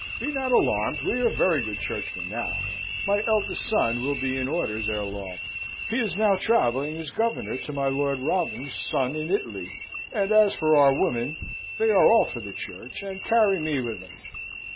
"Be not alarmed, we are very good Churchmen now. My eldest son will be in orders ere long. He is now travelling as governor to my Lord Wrotham's son in Italy, and as for our women, they are all for the Church, and carry me with 'em.